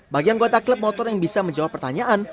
bagian kota klub motor yang bisa menjawab pertanyaan